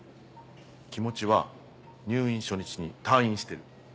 気持ちは入院初日に退院してる。